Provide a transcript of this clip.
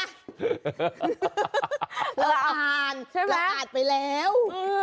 เราอ่านเราอ่านไปแล้ว